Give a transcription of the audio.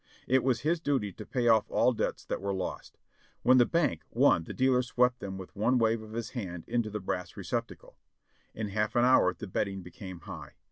It was his duty to pay off all debts that were lost. When the bank won the dealer swept them with one wave of his hand into the brass re THE SOLDIERS* HOME. 603 ccptacle. In half an hour the betting became high.